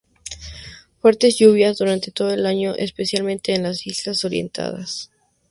Fuertes lluvias durante todo el año, especialmente en las islas orientales.